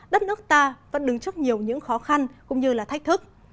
đất nước ta vẫn đứng trước nhiều những khó khăn cũng như là thách thức